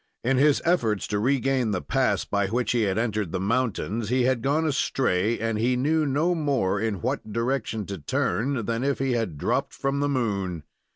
In his efforts to regain the pass by which he had entered the mountains, he had gone astray, and he knew no more in what direction to turn than if he had dropped from the moon.